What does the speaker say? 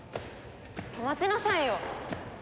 待ちなさいよ！